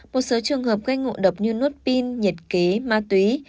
một số trường hợp gây ngộ độc như nuốt pin nhiệt kế ma túy